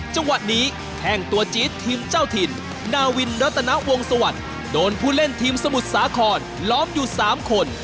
จังหวะนี้แข้งตัวจี๊ดทีมเจ้าถิ่นนาวินรัตนวงสวัสดิ์โดนผู้เล่นทีมสมุทรสาครล้อมอยู่๓คน